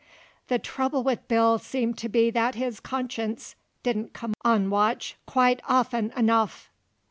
The trubble with Bill seemed to be that his conscience didn't come on watch quite of'n enuff.